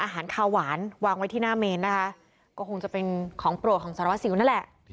อาหารคาวหวานวางไว้ที่หน้าเมนนะคะก็คงจะเป็นของโปรดของสารวัสสิวนั่นแหละ